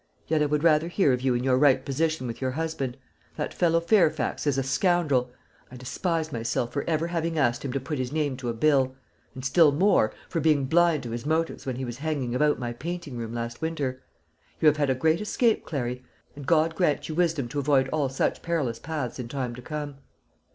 Yet I would rather hear of you in your right position with your husband. That fellow Fairfax is a scoundrel; I despise myself for ever having asked him to put his name to a bill; and, still more, for being blind to his motives when he was hanging about my painting room last winter. You have had a great escape, Clary; and God grant you wisdom to avoid all such perilous paths in time to come.